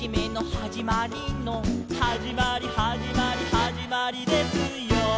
「はじまりはじまりはじまりですよ」